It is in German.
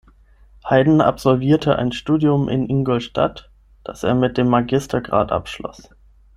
Heyden absolvierte ein Studium in Ingolstadt, das er mit dem Magistergrad abschloss.